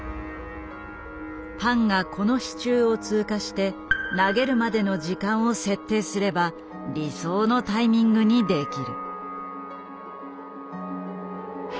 パンがこの支柱を通過して投げるまでの時間を設定すれば理想のタイミングにできる。